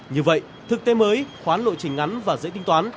như vậy thực tế mới khoán lộ trình ngắn và dễ tính toán